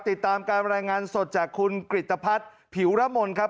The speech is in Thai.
ติดตามการรายงานสดจากคุณกริตภัทรผิวระมนครับ